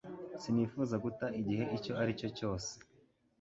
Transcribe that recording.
Sinifuzaga guta igihe icyo ari cyo cyose